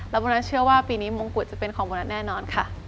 โบนัสเชื่อว่าปีนี้มงกุฎจะเป็นของโบนัสแน่นอนค่ะ